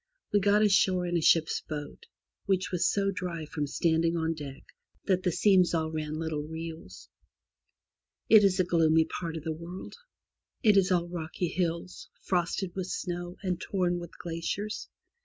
We got ashore in a ship's boat, which was so dry from standing on deck that the seams all ran little rills. It is a gloomy part of the world. It is all rocky hills, frosted with snow, and torn with glaciers.